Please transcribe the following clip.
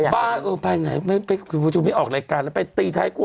บ้าไปไหนไม่ออกรายการแล้วไปตีไทยกลัว